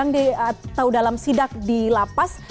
yang sedang di atau dalam sidak di lapas